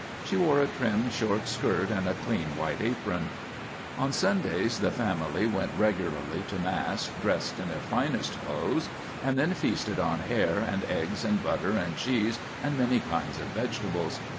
She wore a trim short skirt and a clean white apron. On Sundays the family went regularly to mass, dressed in their finest clothes, and then feasted on hare and eggs and butter and cheese and many kinds of vegetables.